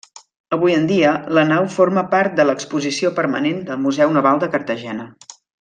Avui en dia la nau forma part de l'exposició permanent del Museu Naval de Cartagena.